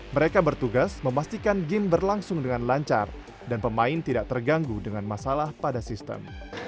mereka bertugas memastikan game berlangsung dengan lancar dan pemain tidak terganggu dengan masalah pada sistem